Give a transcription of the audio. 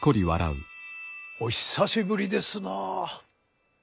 お久しぶりですな。